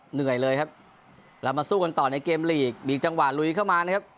เหนื่อยเลยครับเรามาสู้กันต่อในเกมลีกมีจังหวะลุยเข้ามานะครับ